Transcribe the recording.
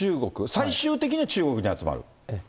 最終的には中国に集まる？